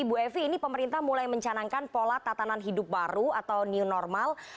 ibu evi ini pemerintah mulai mencanangkan pola tatanan hidup baru atau new normal